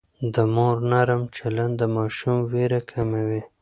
د مور نرم چلند د ماشوم وېره کموي.